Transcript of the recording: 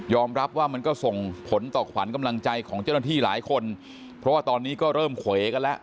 รับว่ามันก็ส่งผลต่อขวัญกำลังใจของเจ้าหน้าที่หลายคนเพราะว่าตอนนี้ก็เริ่มเขวกันแล้ว